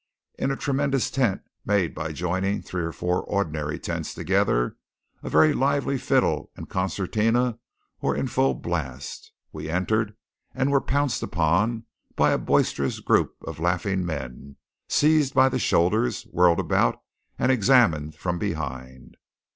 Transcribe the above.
In a tremendous tent made by joining three or four ordinary tents together, a very lively fiddle and concertina were in full blast. We entered and were pounced upon by a boisterous group of laughing men, seized by the shoulders, whirled about, and examined from behind.